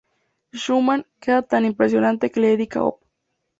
Schumann queda tan impresionado que le dedica Op.